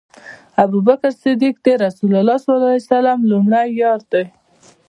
ابوبکر صديق د رسول الله صلی الله عليه وسلم لومړی یار دی